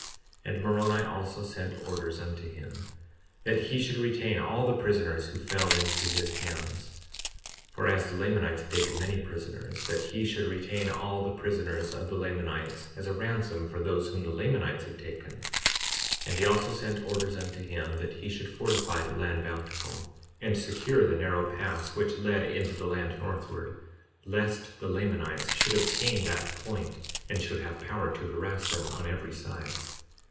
52:8 And Moroni also sent orders unto him that he should retain all the prisoners who fell into his hands; for as the Lamanites had taken many prisoners, that he should retain all the prisoners of the Lamanites as a ransom for those whom the Lamanites had taken. 52:9 And he also sent orders unto him that he should fortify the land Bountiful, and secure the narrow pass which led into the land northward, lest the Lamanites should obtain that point and should have power to harass them on every side.